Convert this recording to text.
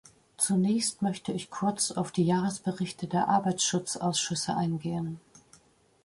Zunächst möchte ich kurz auf die Jahresberichte der Arbeitsschutzausschüsse eingehen.